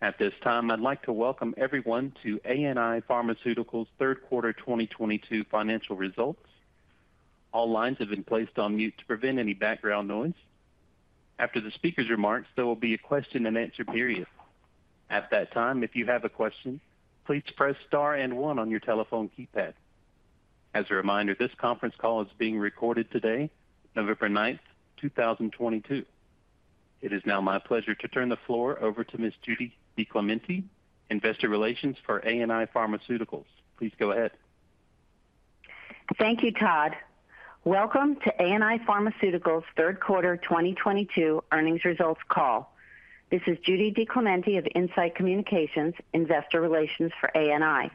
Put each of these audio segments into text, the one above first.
At this time, I'd like to welcome everyone to ANI Pharmaceuticals third quarter 2022 financial results. All lines have been placed on mute to prevent any background noise. After the speaker's remarks, there will be a question and answer period. At that time, if you have a question, please press star and one on your telephone keypad. As a reminder, this conference call is being recorded today, November 9th, 2022. It is now my pleasure to turn the floor over to Miss Judy DiClemente, Investor Relations for ANI Pharmaceuticals. Please go ahead. Thank you, Todd. Welcome to ANI Pharmaceuticals third quarter 2022 earnings results call. This is Judy DiClemente of In-Site Communications, Investor Relations for ANI.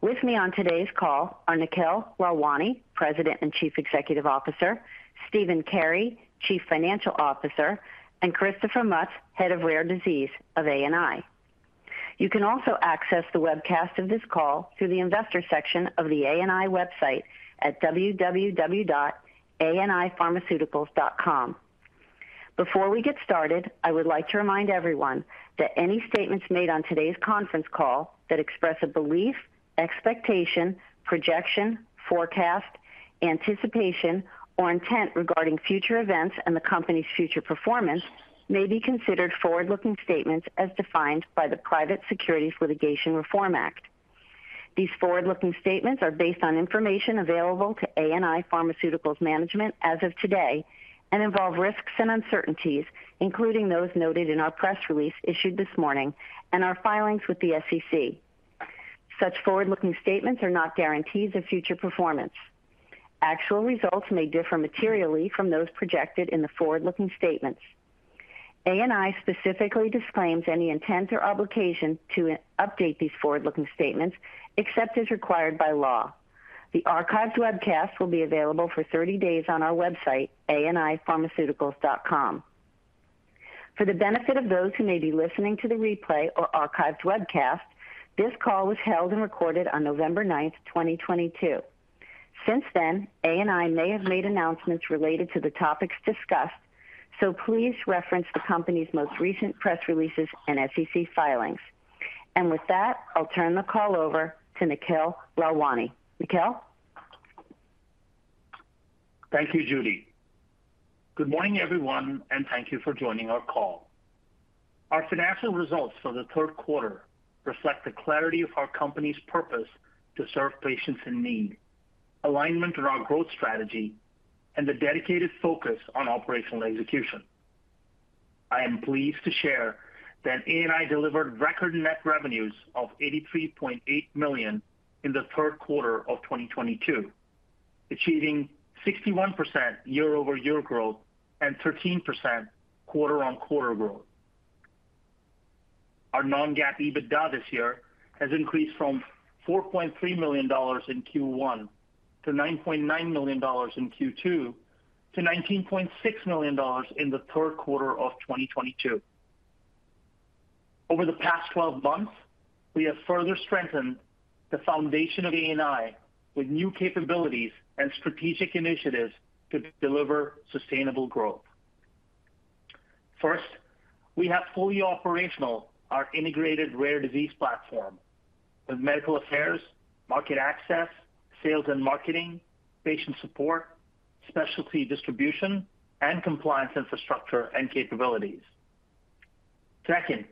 With me on today's call are Nikhil Lalwani, President and Chief Executive Officer, Stephen Carey, Chief Financial Officer, and Christopher Mutz, Head of Rare Disease of ANI. You can also access the webcast of this call through the investor section of the ANI website at www.anipharmaceuticals.com. Before we get started, I would like to remind everyone that any statements made on today's conference call that express a belief, expectation, projection, forecast, anticipation, or intent regarding future events and the company's future performance may be considered forward-looking statements as defined by the Private Securities Litigation Reform Act. These forward-looking statements are based on information available to ANI Pharmaceuticals management as of today and involve risks and uncertainties, including those noted in our press release issued this morning and our filings with the SEC. Such forward-looking statements are not guarantees of future performance. Actual results may differ materially from those projected in the forward-looking statements. ANI specifically disclaims any intent or obligation to update these forward-looking statements except as required by law. The archived webcast will be available for thirty days on our website, anipharmaceuticals.com. For the benefit of those who may be listening to the replay or archived webcast, this call was held and recorded on November 9th, 2022. Since then, ANI may have made announcements related to the topics discussed, so please reference the company's most recent press releases and SEC filings. With that, I'll turn the call over to Nikhil Lalwani. Nikhil? Thank you, Judy. Good morning, everyone, and thank you for joining our call. Our financial results for the third quarter reflect the clarity of our company's purpose to serve patients in need, alignment around growth strategy, and the dedicated focus on operational execution. I am pleased to share that ANI delivered record net revenues of $83.8 million in the third quarter of 2022, achieving 61% year-over-year growth and 13% quarter-over-quarter growth. Our non-GAAP EBITDA this year has increased from $4.3 million in Q1 to $9.9 million in Q2 to $19.6 million in the third quarter of 2022. Over the past 12 months, we have further strengthened the foundation of ANI with new capabilities and strategic initiatives to deliver sustainable growth. First, we have fully operational our integrated rare disease platform with medical affairs, market access, sales and marketing, patient support, specialty distribution, and compliance infrastructure and capabilities. Second,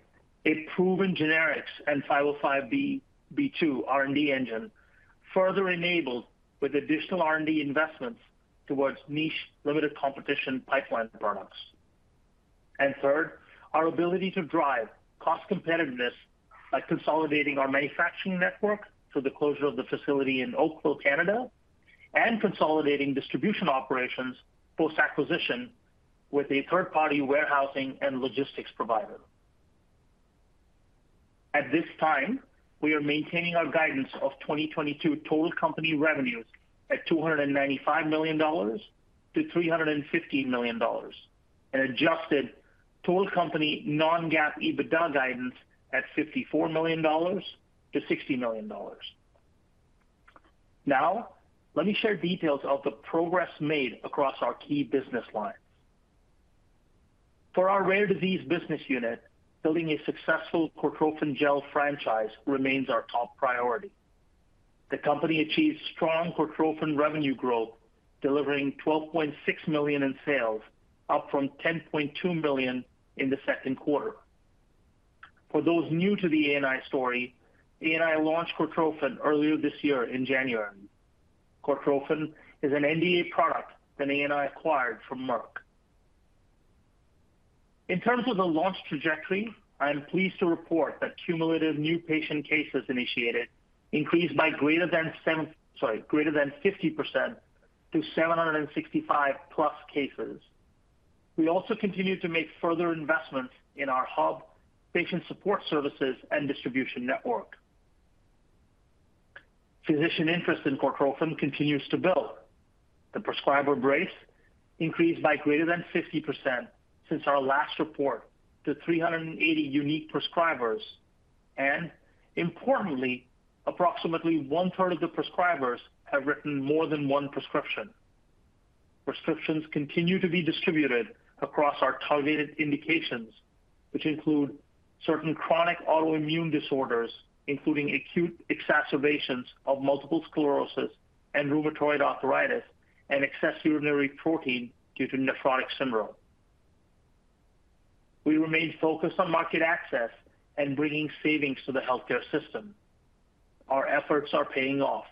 a proven generics and 505(b)(2) R&D engine further enabled with additional R&D investments towards niche limited competition pipeline products. Third, our ability to drive cost competitiveness by consolidating our manufacturing network through the closure of the facility in Oakville, Canada, and consolidating distribution operations post-acquisition with a third-party warehousing and logistics provider. At this time, we are maintaining our guidance of 2022 total company revenues at $295 million-$350 million and adjusted total company non-GAAP EBITDA guidance at $54 million-$60 million. Now let me share details of the progress made across our key business lines. For our rare disease business unit, building a successful Cortrophin Gel franchise remains our top priority. The company achieved strong Cortrophin revenue growth, delivering $12.6 million in sales, up from $10.2 million in the second quarter. For those new to the ANI story, ANI launched Cortrophin earlier this year in January. Cortrophin is an NDA product that ANI acquired from Merck. In terms of the launch trajectory, I am pleased to report that cumulative new patient cases initiated increased by greater than 50% to 765+ cases. We also continued to make further investments in our hub patient support services and distribution network. Physician interest in Cortrophin continues to build. The prescriber base increased by greater than 50% since our last report to 380 unique prescribers. Importantly, approximately 1/3 of the prescribers have written more than one prescription. Prescriptions continue to be distributed across our targeted indications, which include certain chronic autoimmune disorders, including acute exacerbations of multiple sclerosis and rheumatoid arthritis and excess urinary protein due to nephrotic syndrome. We remain focused on market access and bringing savings to the healthcare system. Our efforts are paying off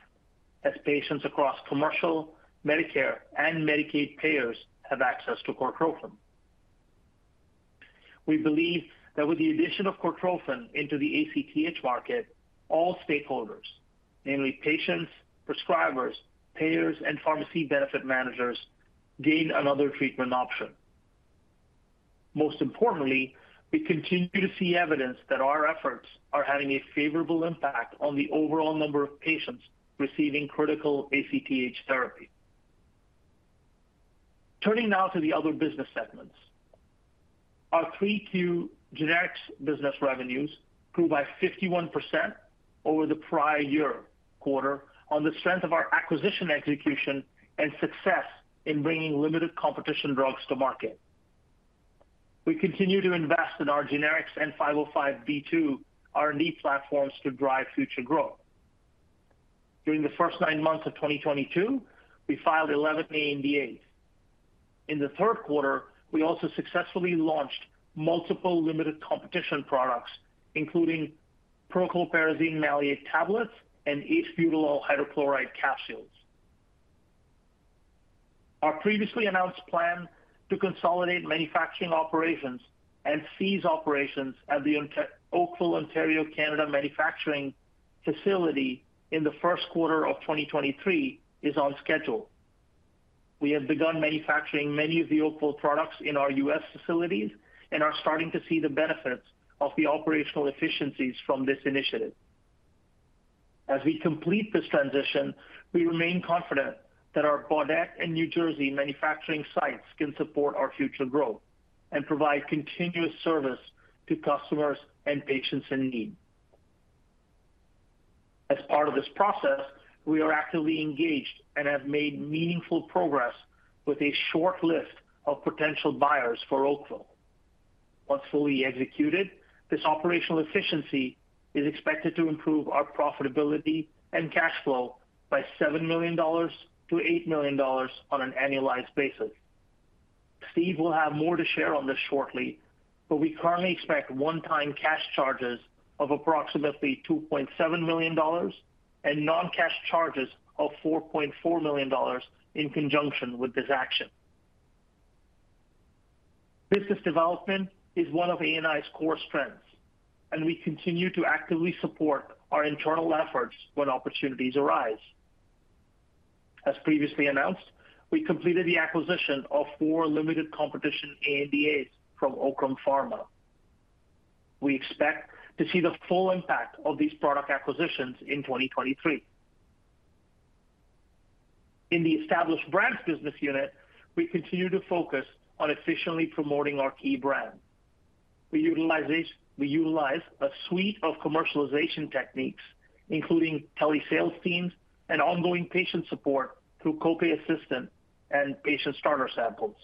as patients across commercial Medicare and Medicaid payers have access to Cortrophin. We believe that with the addition of Cortrophin into the ACTH market, all stakeholders, namely patients, prescribers, payers, and pharmacy benefit managers, gain another treatment option. Most importantly, we continue to see evidence that our efforts are having a favorable impact on the overall number of patients receiving critical ACTH therapy. Turning now to the other business segments. Our Q3 generics business revenues grew by 51% over the prior year quarter on the strength of our acquisition execution and success in bringing limited competition drugs to market. We continue to invest in our generics and 505(b)(2) R&D platforms to drive future growth. During the first nine months of 2022, we filed 11 ANDAs. In the third quarter, we also successfully launched multiple limited competition products, including prochlorperazine maleate tablets and acebutolol hydrochloride capsules. Our previously announced plan to consolidate manufacturing operations and cease operations at the Oakville, Ontario, Canada, manufacturing facility in the first quarter of 2023 is on schedule. We have begun manufacturing many of the Oakville products in our U.S. facilities and are starting to see the benefits of the operational efficiencies from this initiative. As we complete this transition, we remain confident that our Baudette and New Jersey manufacturing sites can support our future growth and provide continuous service to customers and patients in need. As part of this process, we are actively engaged and have made meaningful progress with a shortlist of potential buyers for Oakville. Once fully executed, this operational efficiency is expected to improve our profitability and cash flow by $7 million-$8 million on an annualized basis. Steve will have more to share on this shortly, but we currently expect one-time cash charges of approximately $2.7 million and non-cash charges of $4.4 million in conjunction with this action. Business development is one of ANI's core strengths, and we continue to actively support our internal efforts when opportunities arise. As previously announced, we completed the acquisition of four limited competition ANDAs from Oakrum Pharma. We expect to see the full impact of these product acquisitions in 2023. In the established brands business unit, we continue to focus on efficiently promoting our key brands. We utilize a suite of commercialization techniques, including telesales teams and ongoing patient support through copay assistance and patient starter samples.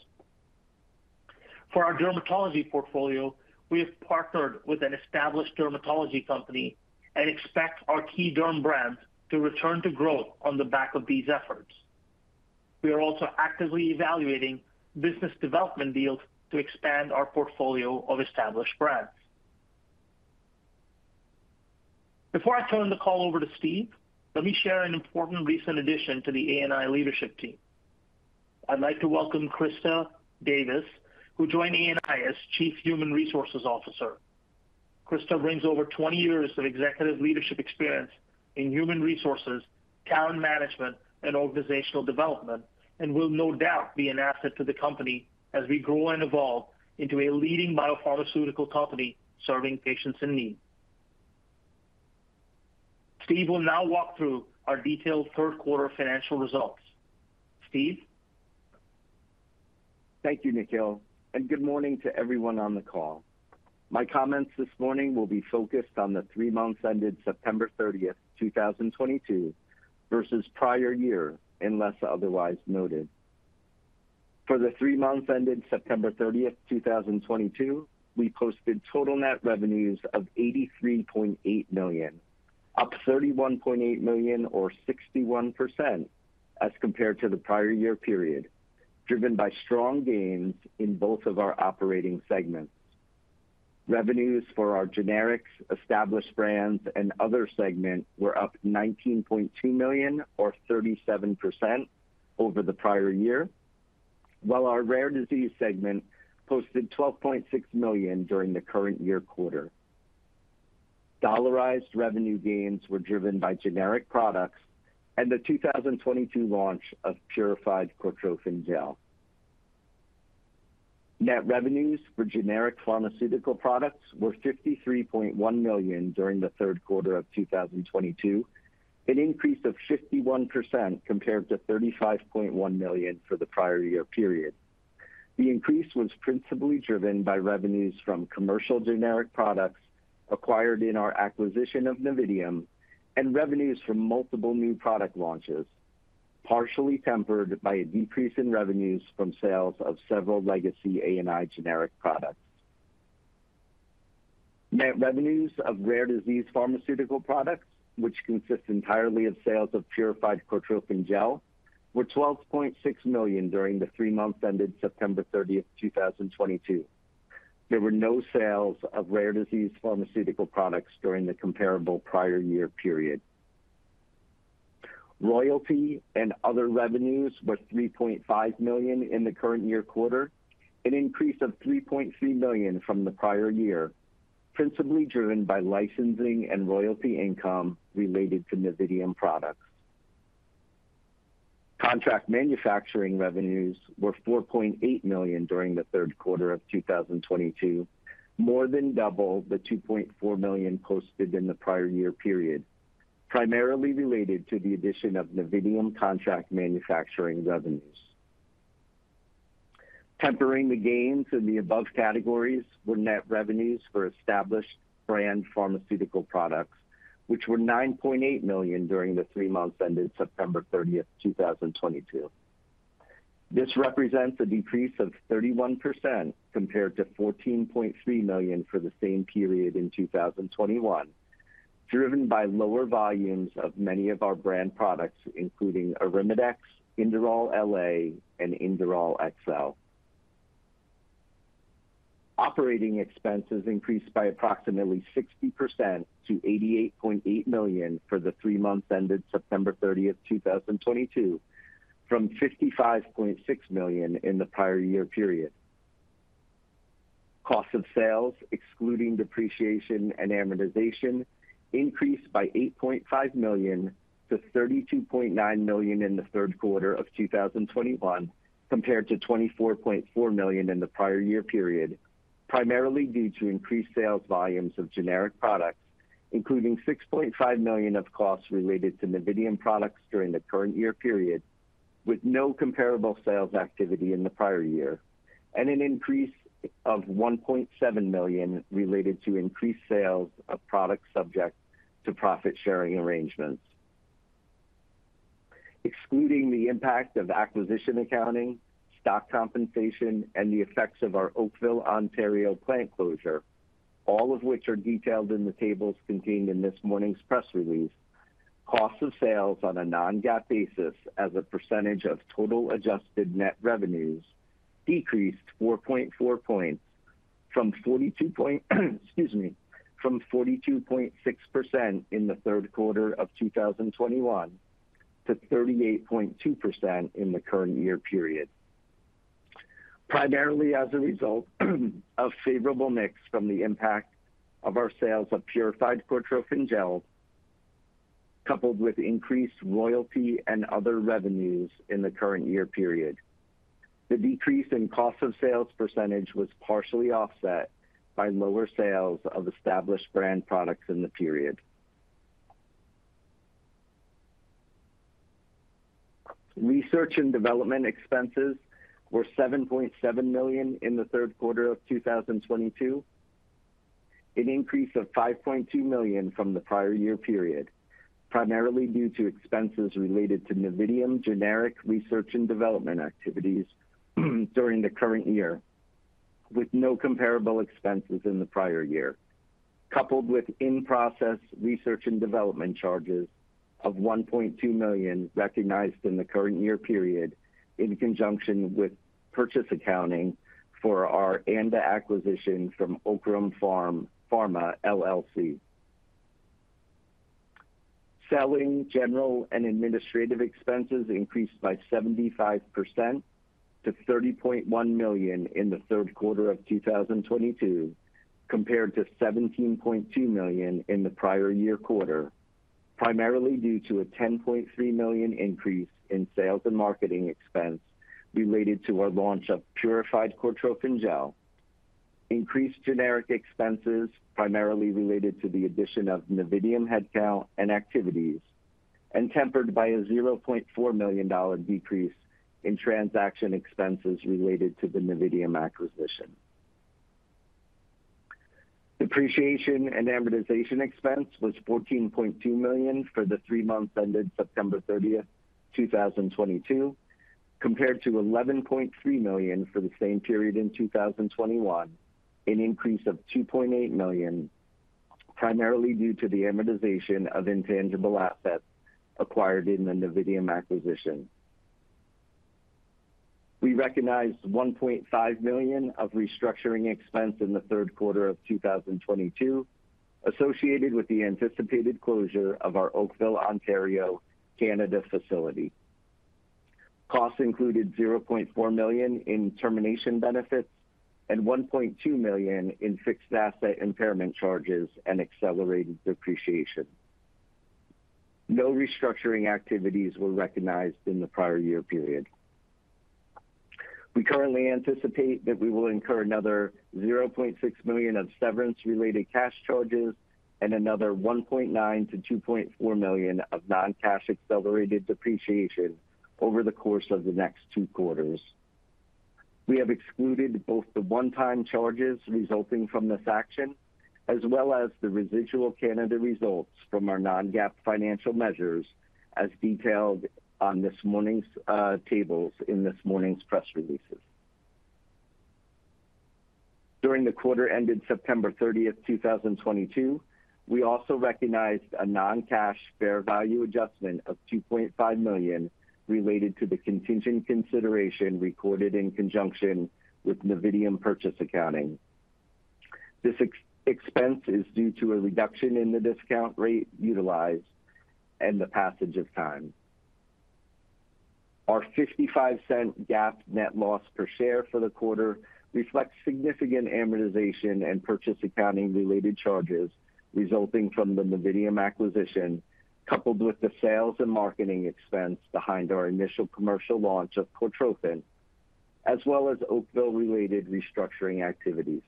For our dermatology portfolio, we have partnered with an established dermatology company and expect our key derm brands to return to growth on the back of these efforts. We are also actively evaluating business development deals to expand our portfolio of established brands. Before I turn the call over to Steve, let me share an important recent addition to the ANI leadership team. I'd like to welcome Krista Davis, who joined ANI as Chief Human Resources Officer. Krista brings over 20 years of executive leadership experience in human resources, talent management, and organizational development, and will no doubt be an asset to the company as we grow and evolve into a leading biopharmaceutical company serving patients in need. Steve will now walk through our detailed third quarter financial results. Steve? Thank you, Nikhil, and good morning to everyone on the call. My comments this morning will be focused on the three months ended September 30th, 2022 versus prior year, unless otherwise noted. For the three months ended September 30th, 2022, we posted total net revenues of $83.8 million, up $31.8 million or 61% as compared to the prior year period, driven by strong gains in both of our operating segments. Revenues for our generics, established brands, and other segments were up $19.2 million or 37% over the prior year, while our rare disease segment posted $12.6 million during the current year quarter. Dollarized revenue gains were driven by generic products and the 2022 launch of Purified Cortrophin Gel. Net revenues for generic pharmaceutical products were $53.1 million during the third quarter of 2022, an increase of 51% compared to $35.1 million for the prior year period. The increase was principally driven by revenues from commercial generic products acquired in our acquisition of Novitium and revenues from multiple new product launches, partially tempered by a decrease in revenues from sales of several legacy ANI generic products. Net revenues of rare disease pharmaceutical products, which consist entirely of sales of Purified Cortrophin Gel, were $12.6 million during the three months ended September 30th, 2022. There were no sales of rare disease pharmaceutical products during the comparable prior year period. Royalty and other revenues were $3.5 million in the current year quarter, an increase of $3.3 million from the prior year, principally driven by licensing and royalty income related to Novitium products. Contract manufacturing revenues were $4.8 million during the third quarter of 2022, more than double the $2.4 million posted in the prior year period, primarily related to the addition of Novitium contract manufacturing revenues. Tempering the gains in the above categories were net revenues for established brand pharmaceutical products, which were $9.8 million during the three months ended September 30th, 2022. This represents a decrease of 31% compared to $14.3 million for the same period in 2021, driven by lower volumes of many of our brand products, including Arimidex, Inderal LA, and Inderal XL. Operating expenses increased by approximately 60% to $88.8 million for the three months ended September 30th, 2022, from $55.6 million in the prior year period. Cost of sales, excluding depreciation and amortization, increased by $8.5 million to $32.9 million in the third quarter of 2021 compared to $24.4 million in the prior year period, primarily due to increased sales volumes of generic products, including $6.5 million of costs related to Novitium products during the current year period with no comparable sales activity in the prior year, and an increase of $1.7 million related to increased sales of products subject to profit-sharing arrangements. Excluding the impact of acquisition accounting, stock compensation, and the effects of our Oakville, Ontario plant closure, all of which are detailed in the tables contained in this morning's press release, cost of sales on a non-GAAP basis as a percentage of total adjusted net revenues decreased 4.4 points, excuse me, from 42.6% in the third quarter of 2021 to 38.2% in the current year period. Primarily as a result of favorable mix from the impact of our sales of Purified Cortrophin Gel coupled with increased royalty and other revenues in the current year period. The decrease in cost of sales percentage was partially offset by lower sales of established brand products in the period. Research and development expenses were $7.7 million in the third quarter of 2022, an increase of $5.2 million from the prior year period, primarily due to expenses related to Novitium generic research and development activities during the current year, with no comparable expenses in the prior year, coupled with in-process research and development charges of $1.2 million recognized in the current year period in conjunction with purchase accounting for our ANDA acquisition from Oakrum Pharma, LLC. Selling, general, and administrative expenses increased by 75% to $30.1 million in the third quarter of 2022 compared to $17.2 million in the prior year quarter, primarily due to a $10.3 million increase in sales and marketing expense related to our launch of Purified Cortrophin Gel, increased generic expenses primarily related to the addition of Novitium headcount and activities, and tempered by a $0.4 million decrease in transaction expenses related to the Novitium acquisition. Depreciation and amortization expense was $14.2 million for the three months ended September 30th, 2022, compared to $11.3 million for the same period in 2021, an increase of $2.8 million, primarily due to the amortization of intangible assets acquired in the Novitium acquisition. We recognized $1.5 million of restructuring expense in the third quarter of 2022 associated with the anticipated closure of our Oakville, Ontario, Canada facility. Costs included $0.4 million in termination benefits and $1.2 million in fixed asset impairment charges and accelerated depreciation. No restructuring activities were recognized in the prior year period. We currently anticipate that we will incur another $0.6 million of severance-related cash charges and another $1.9 million-$2.4 million of non-cash accelerated depreciation over the course of the next two quarters. We have excluded both the one-time charges resulting from this action, as well as the residual Canada results from our non-GAAP financial measures as detailed on this morning's tables in this morning's press releases. During the quarter ended September 30th, 2022, we also recognized a non-cash fair value adjustment of $2.5 million related to the contingent consideration recorded in conjunction with Novitium purchase accounting. This expense is due to a reduction in the discount rate utilized and the passage of time. Our $0.55 GAAP net loss per share for the quarter reflects significant amortization and purchase accounting-related charges resulting from the Novitium acquisition, coupled with the sales and marketing expense behind our initial commercial launch of Cortrophin, as well as Oakville-related restructuring activities.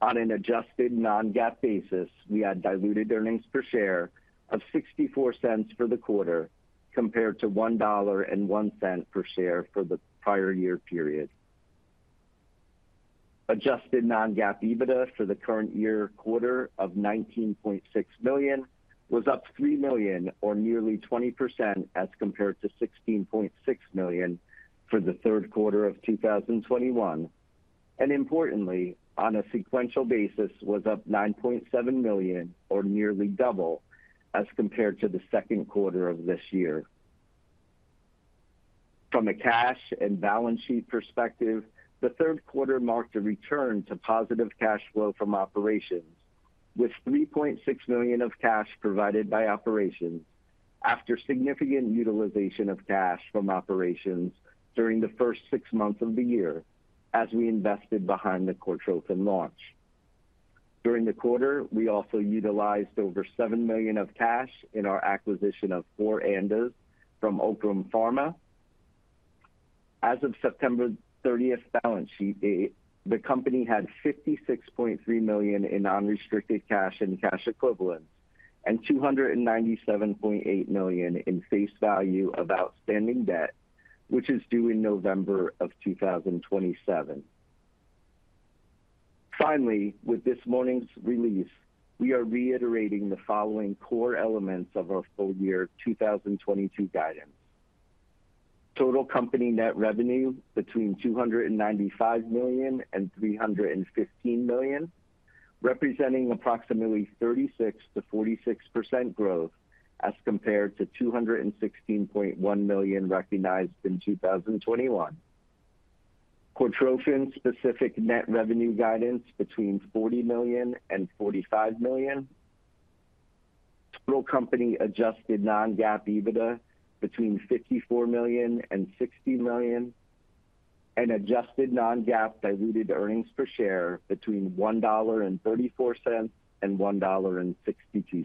On an adjusted non-GAAP basis, we had diluted earnings per share of $0.64 for the quarter compared to $1.01 per share for the prior year period. Adjusted non-GAAP EBITDA for the third quarter was $19.6 million, up $3 million or nearly 20% as compared to $16.6 million for the third quarter of 2021, and importantly, on a sequential basis was up $9.7 million or nearly double as compared to the second quarter of this year. From a cash and balance sheet perspective, the third quarter marked a return to positive cash flow from operations with $3.6 million of cash provided by operations after significant utilization of cash from operations during the first six months of the year as we invested behind the Cortrophin launch. During the quarter, we also utilized over $7 million of cash in our acquisition of four ANDAs from Oakrum Pharma. As of September 30th balance sheet date, the company had $56.3 million in unrestricted cash and cash equivalents and $297.8 million in face value of outstanding debt, which is due in November of 2027. Finally, with this morning's release, we are reiterating the following core elements of our full-year 2022 guidance. Total company net revenue between $295 million and $315 million, representing approximately 36%-46% growth as compared to $216.1 million recognized in 2021. Cortrophin specific net revenue guidance between $40 million and $45 million. Total company adjusted non-GAAP EBITDA between $54 million and $60 million. Adjusted non-GAAP diluted earnings per share between $1.34 and $1.62.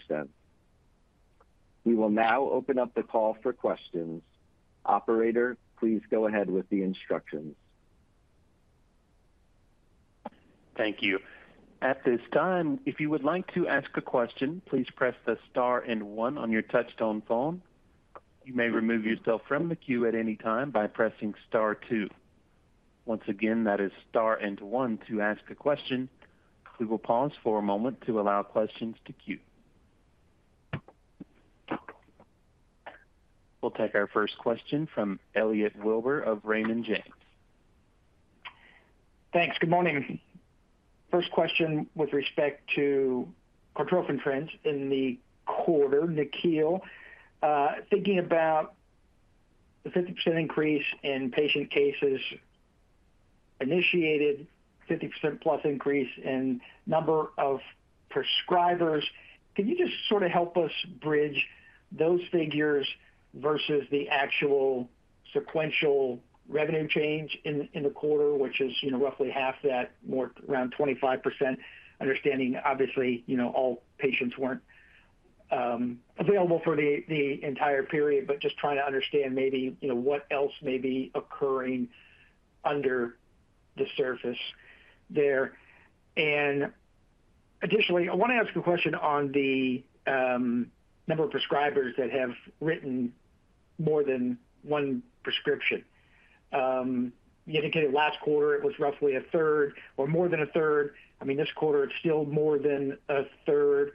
We will now open up the call for questions. Operator, please go ahead with the instructions. Thank you. At this time, if you would like to ask a question, please press the star and one on your touchtone phone. You may remove yourself from the queue at any time by pressing star two. Once again, that is star and one to ask a question. We will pause for a moment to allow questions to queue. We'll take our first question from Elliot Wilbur of Raymond James. Thanks. Good morning. First question with respect to Cortrophin trends in the quarter, Nikhil. Thinking about the 50% increase in patient cases initiated, 50%+ increase in number of prescribers, can you just sort of help us bridge those figures versus the actual sequential revenue change in the quarter, which is, you know, roughly half that more around 25%? Understanding, obviously, you know, all patients weren't available for the entire period, but just trying to understand maybe, you know, what else may be occurring under the surface there. Additionally, I wanna ask a question on the number of prescribers that have written more than one prescription. You indicated last quarter it was roughly 1/3 or more than 1/3. I mean, this quarter it's still more than 1/3.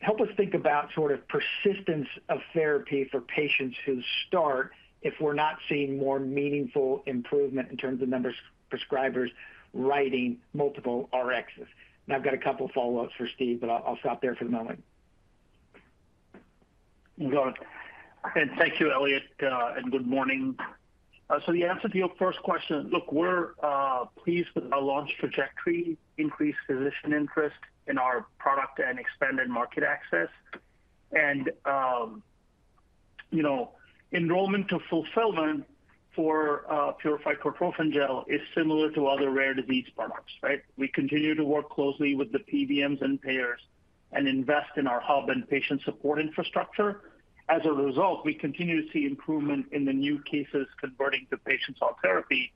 Help us think about sort of persistence of therapy for patients who start if we're not seeing more meaningful improvement in terms of numbers prescribers writing multiple RXs. I've got a couple follow-ups for Steve, but I'll stop there for the moment. Got it. Thank you, Elliot, and good morning. The answer to your first question, look, we're pleased with our launch trajectory, increased physician interest in our product and expanded market access. You know, enrollment to fulfillment for Purified Cortrophin Gel is similar to other rare disease products, right? We continue to work closely with the PBMs and payers and invest in our hub and patient support infrastructure. As a result, we continue to see improvement in the new cases converting to patients on therapy.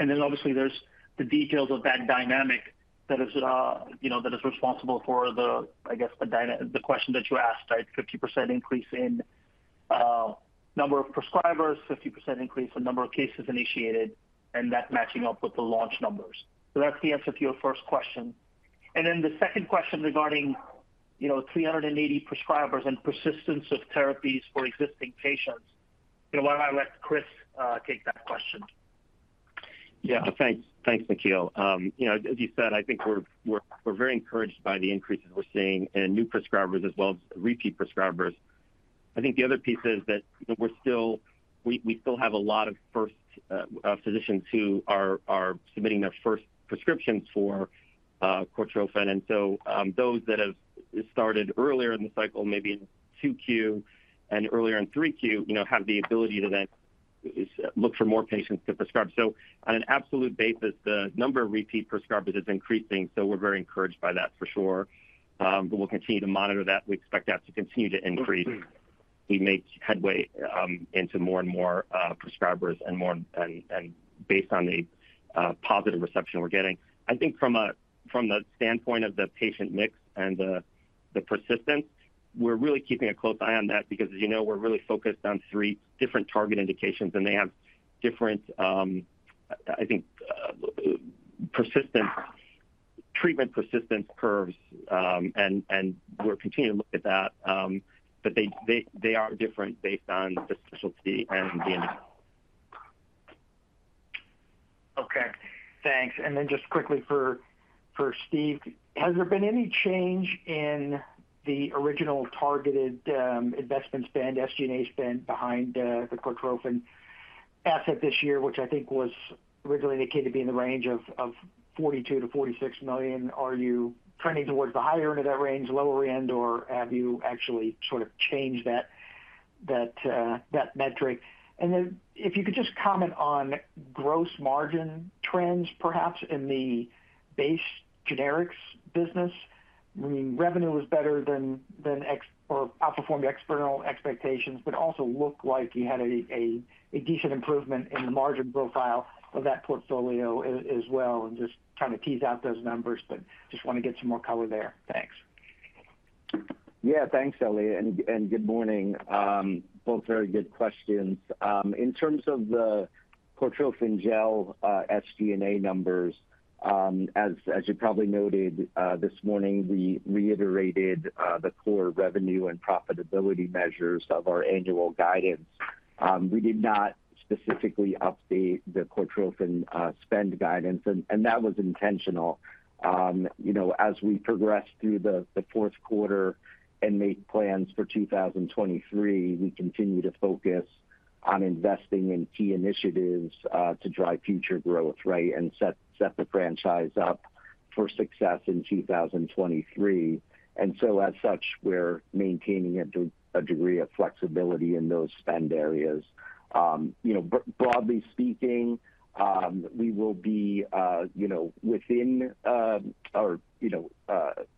Obviously there's the details of that dynamic that is, you know, that is responsible for the, I guess, the question that you asked, right? 50% increase in number of prescribers, 50% increase in number of cases initiated, and that matching up with the launch numbers. That's the answer to your first question. The second question regarding, you know, 380 prescribers and persistence of therapies for existing patients. You know what? I'll let Chris take that question. Yeah. Thanks. Thanks, Nikhil. You know, as you said, I think we're very encouraged by the increases we're seeing in new prescribers as well as repeat prescribers. I think the other piece is that, you know, we're still we still have a lot of first physicians who are submitting their first prescriptions for Cortrophin. Those that have started earlier in the cycle, maybe in 2Q and earlier in 3Q, you know, have the ability to then look for more patients to prescribe. On an absolute basis, the number of repeat prescribers is increasing, so we're very encouraged by that for sure. We'll continue to monitor that. We expect that to continue to increase as we make headway into more and more prescribers and based on the positive reception we're getting. I think from the standpoint of the patient mix and the persistence, we're really keeping a close eye on that because as you know, we're really focused on three different target indications, and they have different, I think, treatment persistence curves. We're continuing to look at that. They are different based on the specialty and the. Okay. Thanks. Then just quickly for Steve. Has there been any change in the original targeted investment spend, SG&A spend behind the Cortrophin asset this year, which I think was originally indicated to be in the range of $42 million-$46 million? Are you trending towards the higher end of that range, lower end, or have you actually sort of changed that metric? If you could just comment on gross margin trends, perhaps in the base generics business. I mean, revenue was better than or outperformed your external expectations, but also looked like you had a decent improvement in the margin profile of that portfolio as well. Just trying to tease out those numbers, but just wanna get some more color there. Thanks. Yeah. Thanks, Elliot, and good morning. Both very good questions. In terms of the Cortrophin Gel, SG&A numbers, as you probably noted, this morning, we reiterated the core revenue and profitability measures of our annual guidance. We did not specifically update the Cortrophin spend guidance and that was intentional. You know, as we progress through the fourth quarter and make plans for 2023, we continue to focus on investing in key initiatives to drive future growth, right? And set the franchise up for success in 2023. As such, we're maintaining a degree of flexibility in those spend areas. You know, broadly speaking, we will be, you know, within or, you know,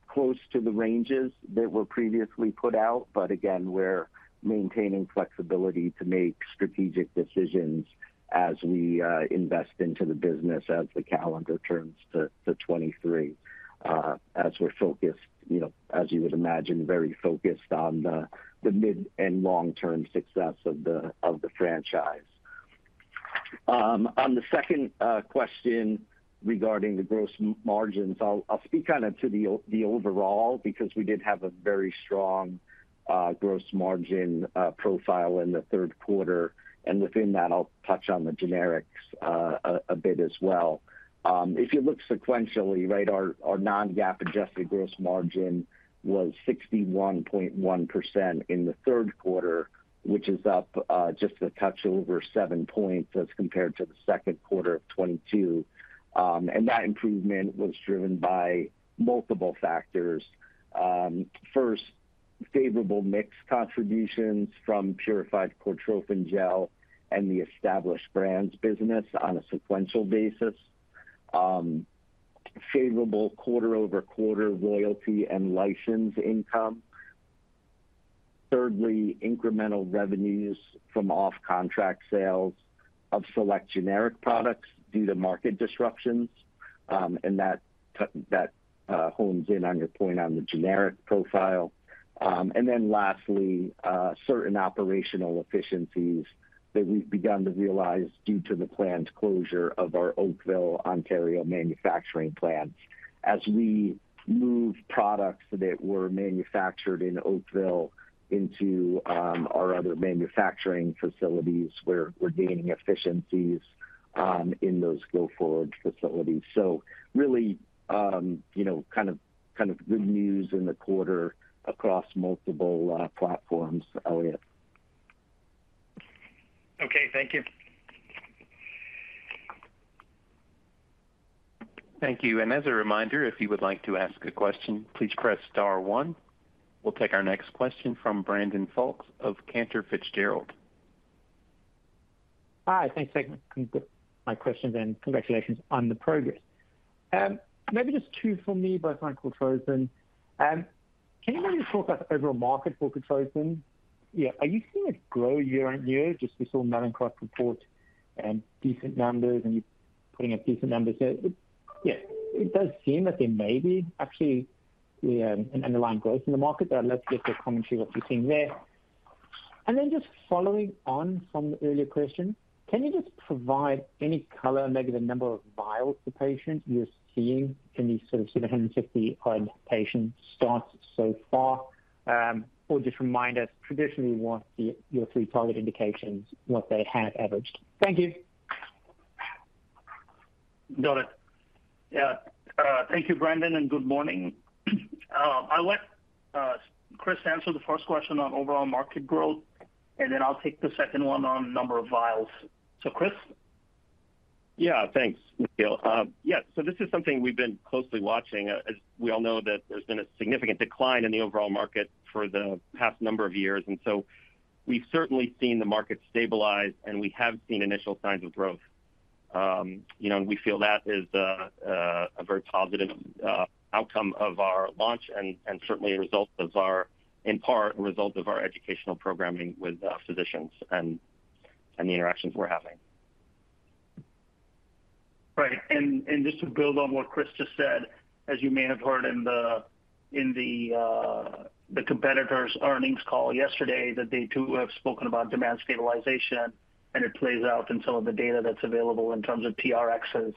close to the ranges that were previously put out. Again, we're maintaining flexibility to make strategic decisions as we invest into the business as the calendar turns to 2023. As we're focused, you know, as you would imagine, very focused on the mid and long-term success of the franchise. On the second question regarding the gross margins, I'll speak kind of to the overall because we did have a very strong gross margin profile in the third quarter. Within that I'll touch on the generics a bit as well. If you look sequentially, right, our non-GAAP adjusted gross margin was 61.1% in the third quarter, which is up just a touch over seven points as compared to the second quarter of 2022. That improvement was driven by multiple factors. First, favorable mix contributions from Purified Cortrophin Gel and the established brands business on a sequential basis. Favorable quarter-over-quarter royalty and license income. Thirdly, incremental revenues from off-contract sales of select generic products due to market disruptions, and that hones in on your point on the generic profile. Lastly, certain operational efficiencies that we've begun to realize due to the planned closure of our Oakville, Ontario manufacturing plant. As we move products that were manufactured in Oakville into our other manufacturing facilities, we're gaining efficiencies in those go-forward facilities. Really, you know, kind of good news in the quarter across multiple platforms, Elliot. Okay. Thank you. Thank you. As a reminder, if you would like to ask a question, please press star one. We'll take our next question from Brandon Folkes of Cantor Fitzgerald. Hi. Thanks for my questions and congratulations on the progress. Maybe just two for me both on Cortrophin. Can you maybe talk us through the market for Cortrophin? Yeah. Are you seeing it grow year-on-year? Just we saw Mallinckrodt report and decent numbers and you're putting up decent numbers here? Yeah, it does seem that there may be actually the - an underlying growth in the market, but I'd love to get the commentary what you're seeing there. And then just following on from the earlier question, can you just provide any color and maybe the number of vial per patient you're seeing in the sort of see 150 odd patients start so far or just remind us traditionally what your three target indications, what they have averaged? Thank you. Got it. Yeah. Thank you, Brandon, and good morning. I'll let Chris answer the first question on overall market growth, and then I'll take the second one on number of vials. Chris? Yeah. Thanks, Nikhil. Yeah. This is something we've been closely watching. As we all know that there's been a significant decline in the overall market for the past number of years. We've certainly seen the market stabilize, and we have seen initial signs of growth. You know, we feel that is a very positive outcome of our launch and certainly a result of our, in part, a result of our educational programming with physicians and the interactions we're having. Right. Just to build on what Chris just said, as you may have heard in the competitor's earnings call yesterday that they too have spoken about demand stabilization, and it plays out in some of the data that's available in terms of PRXs.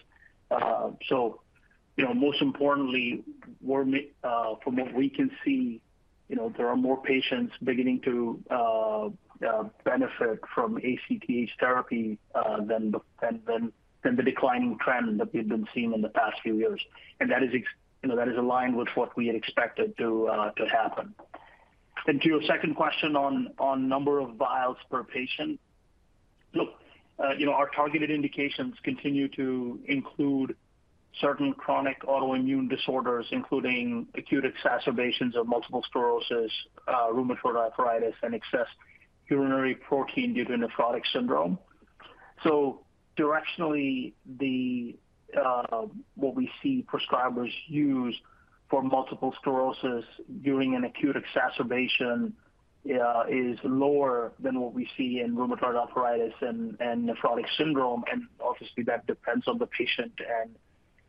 You know, most importantly, from what we can see, you know, there are more patients beginning to benefit from ACTH therapy than the declining trend that we've been seeing in the past few years. That is aligned with what we had expected to happen. To your second question on number of vials per patient. Look, you know, our targeted indications continue to include certain chronic autoimmune disorders, including acute exacerbations of multiple sclerosis, rheumatoid arthritis, and excess urinary protein due to nephrotic syndrome. Directionally, what we see prescribers use for multiple sclerosis during an acute exacerbation is lower than what we see in rheumatoid arthritis and nephrotic syndrome. Obviously, that depends on the patient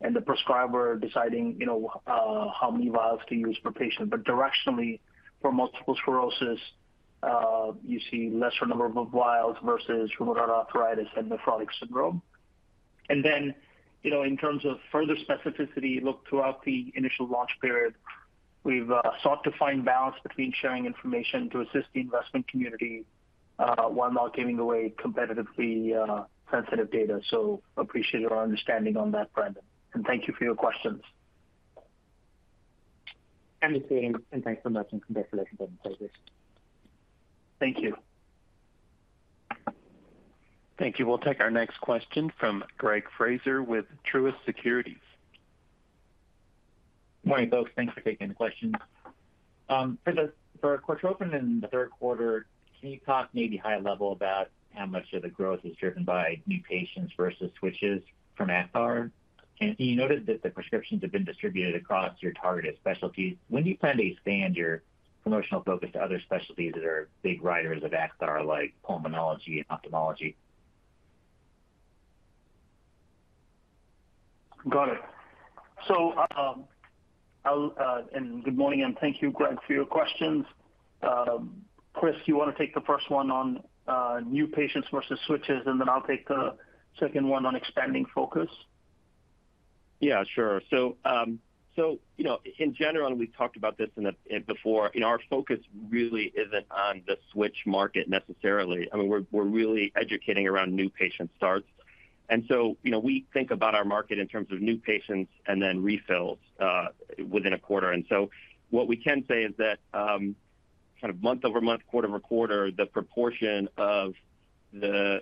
and the prescriber deciding, you know, how many vials to use per patient. Directionally, for multiple sclerosis, you see lesser number of vials versus rheumatoid arthritis and nephrotic syndrome. You know, in terms of further specificity, look, throughout the initial launch period, we've sought to find balance between sharing information to assist the investment community while not giving away competitively sensitive data. Appreciate your understanding on that, Brandon, and thank you for your questions. Understood. Thanks so much, and congratulations on the progress. Thank you. Thank you. We'll take our next question from Greg Fraser with Truist Securities. Morning, folks. Thanks for taking the questions. For Cortrophin in the third quarter, can you talk maybe high level about how much of the growth is driven by new patients versus switches from Acthar? You noted that the prescriptions have been distributed across your targeted specialties. When do you plan to expand your promotional focus to other specialties that are big users of Acthar, like pulmonology and ophthalmology? Got it. Good morning, and thank you, Greg, for your questions. Chris, you wanna take the first one on new patients versus switches, and then I'll take the second one on expanding focus. Yeah, sure. You know, in general, we've talked about this before. Our focus really isn't on the switch market necessarily. I mean, we're really educating around new patient starts. You know, we think about our market in terms of new patients and then refills within a quarter. What we can say is that kind of month-over-month, quarter-over-quarter, the proportion of the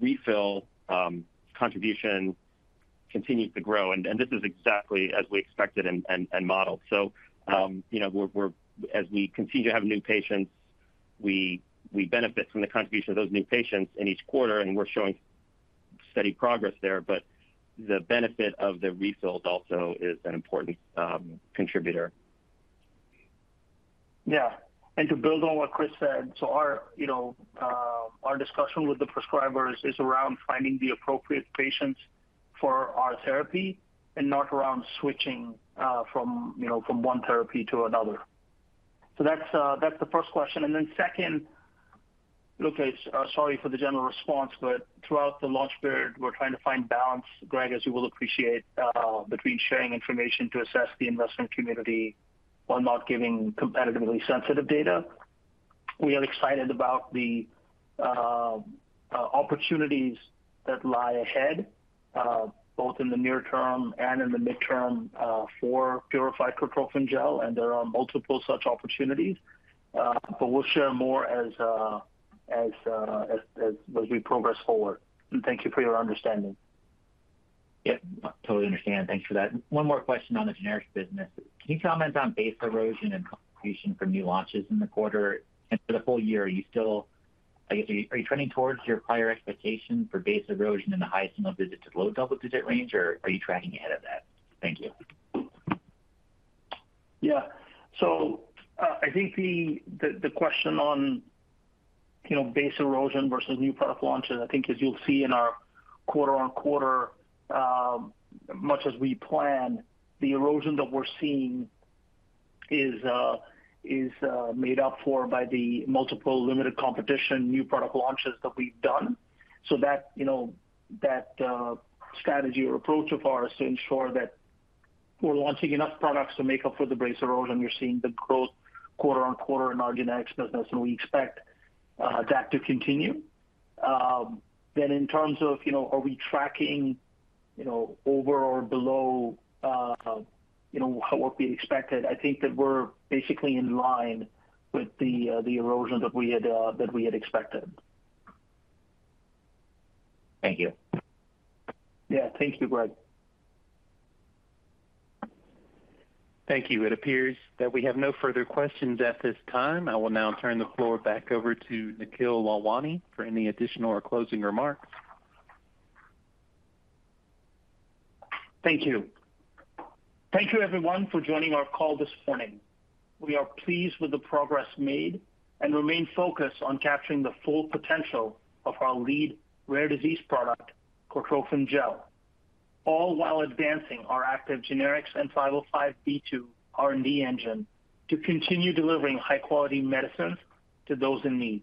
refill contribution continues to grow. This is exactly as we expected and modeled. You know, as we continue to have new patients, we benefit from the contribution of those new patients in each quarter, and we're showing steady progress there. The benefit of the refills also is an important contributor. Yeah. To build on what Chris said, so, you know, our discussion with the prescribers is around finding the appropriate patients for our therapy and not around switching from you know one therapy to another. So that's the first question. Then second. Look, sorry for the general response, but throughout the launch period, we're trying to find balance, Greg, as you will appreciate, between sharing information with the investment community while not giving competitively sensitive data. We are excited about the opportunities that lie ahead both in the near term and in the midterm for Purified Cortrophin Gel, and there are multiple such opportunities. We'll share more as we progress forward. Thank you for your understanding. Yeah. Totally understand. Thanks for that. One more question on the generics business. Can you comment on base erosion and contribution from new launches in the quarter and for the full-year? I guess, are you trending towards your prior expectation for base erosion in the high single-digit to low double-digit range, or are you tracking ahead of that? Thank you. Yeah. I think the question on, you know, base erosion versus new product launches, I think as you'll see in our quarter-over-quarter, much as we plan, the erosion that we're seeing is made up for by the multiple limited competition new product launches that we've done. That strategy or approach of ours to ensure that we're launching enough products to make up for the base erosion, we're seeing the growth quarter-over-quarter in our generics business, and we expect that to continue. Then in terms of, you know, are we tracking, you know, over or below, you know, what we expected, I think that we're basically in line with the erosion that we had expected. Thank you. Yeah. Thank you, Greg. Thank you. It appears that we have no further questions at this time. I will now turn the floor back over to Nikhil Lalwani for any additional or closing remarks. Thank you. Thank you everyone for joining our call this morning. We are pleased with the progress made and remain focused on capturing the full potential of our lead rare disease product, Cortrophin Gel, all while advancing our active generics and 505(b)(2) R&D engine to continue delivering high-quality medicines to those in need.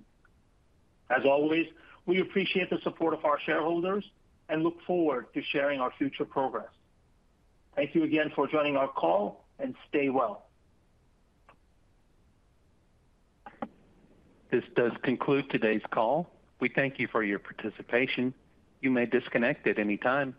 As always, we appreciate the support of our shareholders and look forward to sharing our future progress. Thank you again for joining our call, and stay well. This does conclude today's call. We thank you for your participation. You may disconnect at any time.